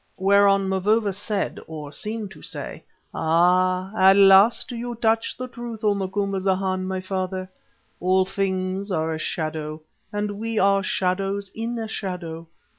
Whereon Mavovo said, or seemed to say: "Ah! at last you touch the truth, O Macumazana, my father. All things are a shadow and we are shadows in a shadow.